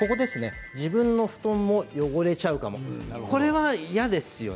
自分の布団も汚れちゃうかもこれは嫌ですよね